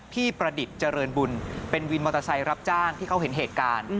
ประดิษฐ์เจริญบุญเป็นวินมอเตอร์ไซค์รับจ้างที่เขาเห็นเหตุการณ์